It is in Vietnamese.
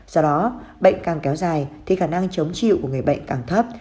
do đó bệnh càng kéo dài thì khả năng chống chịu của người bệnh càng thấp